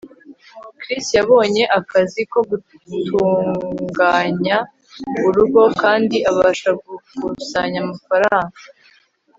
chris yabonye akazi ko gutunganya urugo kandi abasha gukusanya amafaranga